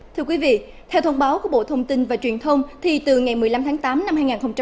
thưa quý vị theo thông báo của bộ thông tin và truyền thông thì từ ngày một mươi năm tháng tám năm hai nghìn hai mươi